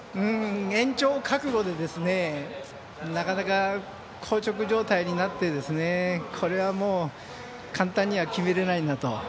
延長覚悟でなかなか硬直状態になってこれは簡単には決めれないなと。